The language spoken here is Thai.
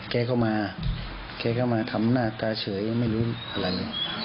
เก๊เข้ามาทำหน้าตาเฉยไม่รู้อะไร